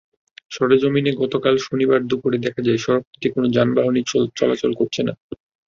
সরেজমিনে গতকাল শনিবার দুপুরে দেখা গেছে, সড়কটিতে কোনো যানবাহনই চলাচল করছে না।